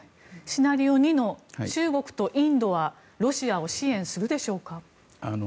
シナリオ２の中国とインドはロシアを支援するでしょうか。